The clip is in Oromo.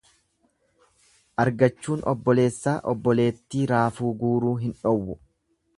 Argachuun obboleessaa obboleettii raafuu guuruu hin dhowwu.